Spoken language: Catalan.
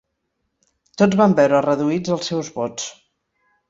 Tots van veure reduïts els seus vots.